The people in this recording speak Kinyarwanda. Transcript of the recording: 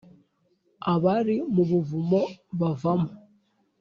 abari mu buvumo bavamo